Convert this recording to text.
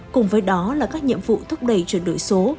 cùng với đó là các nhiệm vụ thúc đẩy chuyển đổi số